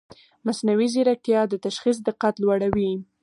مصنوعي ځیرکتیا د تشخیص دقت لوړوي.